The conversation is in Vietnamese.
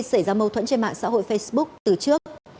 xảy ra mâu thuẫn trên mạng xã hội facebook từ trước